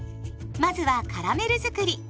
まずはカラメルづくり。